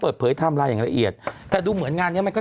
แบงค์ชกมวยหุ่นดีอะ